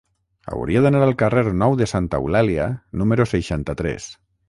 Hauria d'anar al carrer Nou de Santa Eulàlia número seixanta-tres.